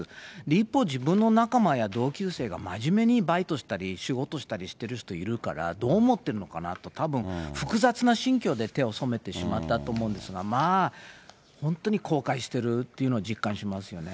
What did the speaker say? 一方、自分の仲間や同級生が、まじめにバイトしたり、仕事したりしてる人いるから、どう思ってるのかなと、たぶん複雑な心境で手を染めてしまったと思うんですが、まあ、本当に後悔してるっていうのを実感しますよね。